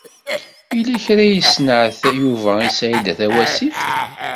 Yella kra i s-isenɛet Yuba i Saɛida Tawasift.